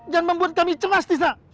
jangan membuat kami cemas tis nak